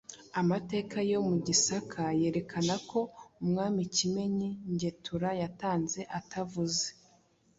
Amateka yo mu Gisaka yerekanako umwami Kimenyi Ngetura yatanze atavuze